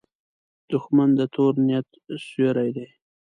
دښمن د تور نیت سیوری دی